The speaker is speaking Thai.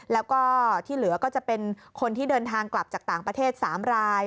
แล้วก็ที่เหลือก็จะเป็นคนที่เดินทางกลับจากต่างประเทศ๓ราย